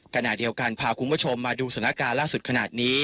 ขณะเดียวกันพาคุณผู้ชมมาดูสถานการณ์ล่าสุดขนาดนี้